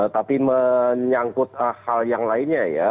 tapi menyangkut hal yang lainnya ya